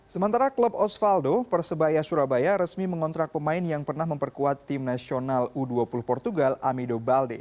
sementara klub osvaldo persebaya surabaya resmi mengontrak pemain yang pernah memperkuat tim nasional u dua puluh portugal amido balde